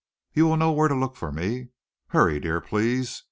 You will know where to look for me. Hurry, dear, please.